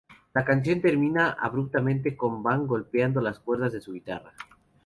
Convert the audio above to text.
La canción termina abruptamente con Van golpeando las cuerdas de su guitarra.